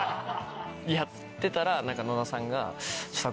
やってたら野田さんが。